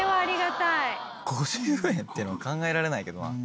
５０円ってのは考えられないけどな。